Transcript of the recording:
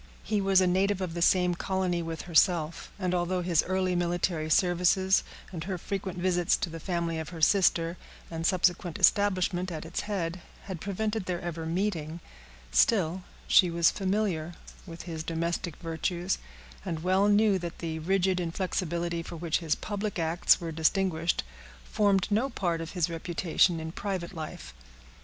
He was a native of the same colony with herself; and although his early military services, and her frequent visits to the family of her sister, and subsequent establishment at its head, had prevented their ever meeting, still she was familiar with his domestic virtues, and well knew that the rigid inflexibility for which his public acts were distinguished formed no part of his reputation in private life.